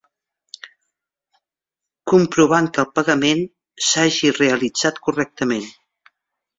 Comprovant que el pagament s'hagi realitzat correctament.